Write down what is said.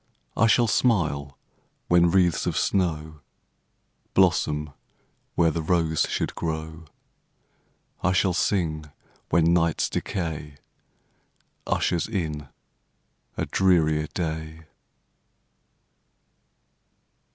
I shall smile when wreaths of snow Blossom where the rose should grow ; I shall sing when night's decay Ushers in a drearier day.